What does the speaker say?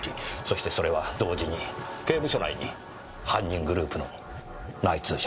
そしてそれは同時に刑務所内に犯人グループの内通者がいる事も意味します。